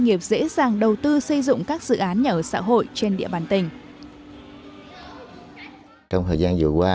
nghiệp dễ dàng đầu tư xây dựng các dự án nhà ở xã hội trên địa bàn tỉnh trong thời gian vừa qua